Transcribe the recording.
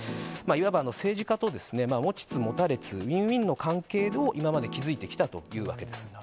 いわば政治家と持ちつ持たれつ、ウィンウィンの関係を、今まで築いてきたというわけです。